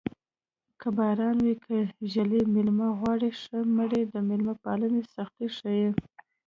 که باران وي که ږلۍ مېلمه غواړي ښه مړۍ د مېلمه پالنې سختي ښيي